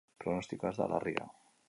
Pronostikoa ez da larria.